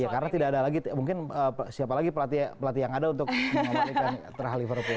ya karena tidak ada lagi mungkin siapa lagi pelatih yang ada untuk mengobatkan terhadap liverpool